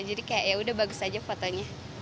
jadi kayak ya udah bagus aja fotonya